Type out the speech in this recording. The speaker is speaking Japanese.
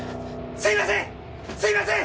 すいません！